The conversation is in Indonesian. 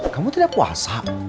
kamu tidak puasa